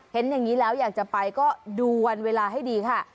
เห็นอย่างนี้แล้วอยากจะไปก็ดูวันเวลาให้ดีค่ะ